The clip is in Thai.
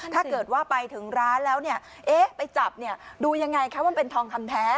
ถ้าเกิดว่าไปถึงร้านแล้วเนี่ยเอ๊ะไปจับเนี่ยดูยังไงคะว่ามันเป็นทองคำแท้